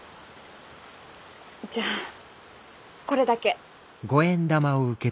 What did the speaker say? じゃあこれだけ。